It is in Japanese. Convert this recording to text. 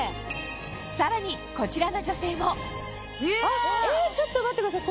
さらにこちらの女性もちょっと待ってください。